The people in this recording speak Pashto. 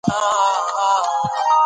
ډيپلوماسي د ملتونو ترمنځ باور جوړوي.